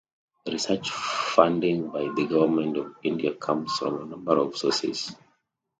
Research funding by the Government of India comes from a number of sources.